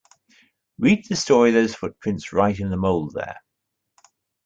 Read the story those footprints write in the mould there.